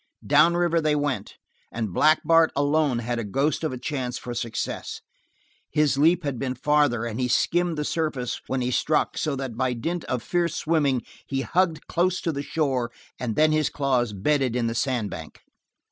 Down river they went, and Black Bart alone had a ghost of a chance for success. His leap had been farther and he skimmed the surface when he struck so that by dint of fierce swimming he hugged close to the shore, and then his claws bedded in the sand bank.